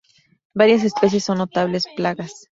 Varias especies son notables plagas.